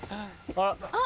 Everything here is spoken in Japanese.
あっ。